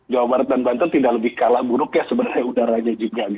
jawa barat dan banten tidak lebih kalah buruk ya sebenarnya udaranya juga